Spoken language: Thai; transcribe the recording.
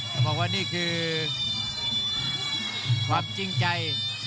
ต้องบอกว่านี่คือความจริงใจ